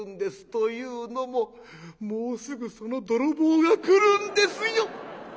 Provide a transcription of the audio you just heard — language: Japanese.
というのももうすぐその泥棒が来るんですよ！